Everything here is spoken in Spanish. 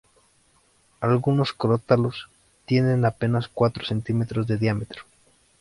Algunos crótalos tienen apenas cuatro centímetros de diámetro.